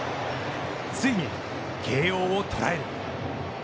ついに慶応を捉える。